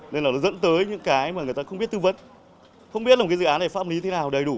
nên là nó dẫn tới những cái mà người ta không biết tư vấn không biết là một cái dự án này pháp lý thế nào đầy đủ